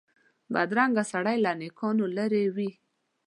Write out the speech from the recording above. بدرنګه سړی له نېکانو لرې وي